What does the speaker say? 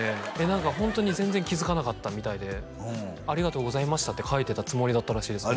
何かホントに全然気づかなかったみたいで「ありがとうございました」って書いてたつもりだったらしいです